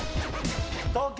東京。